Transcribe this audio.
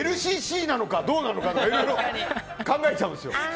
ＬＣＣなのかどうなのかいろいろ考えちゃうんです。